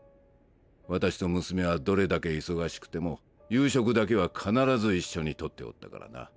私と娘はどれだけ忙しくても夕食だけは必ず一緒にとっておったからな。